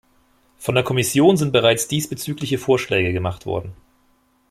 Von der Kommission sind bereits diesbezügliche Vorschläge gemacht worden.